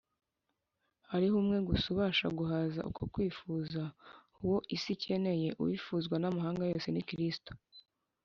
. Hariho Umwe gusa ubasha guhaza uko kwifuza. Uwo isi ikeneye, ” Uwifuzwa n’amahanga yose,” ni Kristo